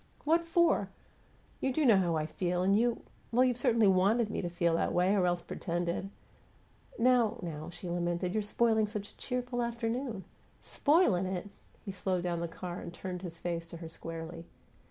"What for? You do know how I feel, and you well, you've certainly WANTED me to feel that way or else pretended " "Now, now!" she lamented. "You're spoiling such a cheerful afternoon!" "'Spoilin' it!'" He slowed down the car and turned his face to her squarely.